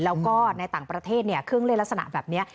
แล้วก็ในต่างประเทศเครื่องเล่นลักษณะแบบนี้